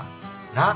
なあ。